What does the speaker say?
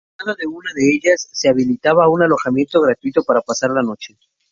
En cada una de ellas se habilitaba un alojamiento gratuito para pasar la noche.